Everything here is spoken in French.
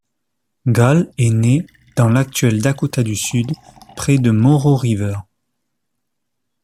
Gall est né dans l'actuel Dakota du Sud près de Moreau River.